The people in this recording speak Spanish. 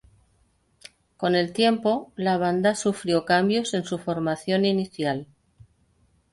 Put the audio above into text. Con el tiempo la banda sufrió cambios en su formación inicial.